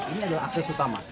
ini adalah akses utama